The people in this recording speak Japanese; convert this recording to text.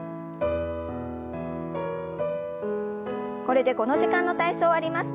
これでこの時間の体操終わります。